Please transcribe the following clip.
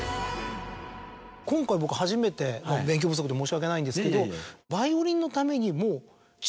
今回僕初めて勉強不足で申し訳ないんですけど。